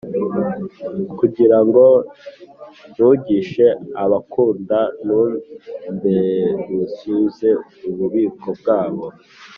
kugira ngo ntungishe abankunda, numberszuze ububiko bwabo